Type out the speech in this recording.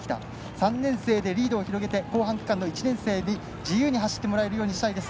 ３年生でリードを広げて後半区間で１年生に自由に走ってもらえるようにしたいです